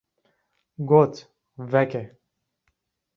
Got: ‘’ Veke.